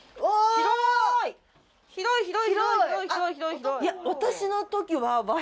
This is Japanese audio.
広い！